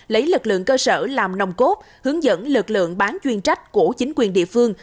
lấy lực lượng cơ sở làm nông cốt hướng dẫn lực lượng bán chuyên trách của chính quyền địa phương